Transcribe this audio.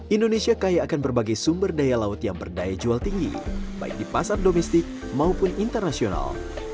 indonesia kaya akan berbagai sumber daya laut yang berdaya jual tinggi baik di pasar domestik maupun internasional